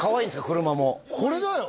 車もこれだよ！